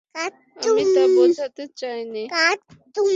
আমি তা বোঝাতে চাইনি।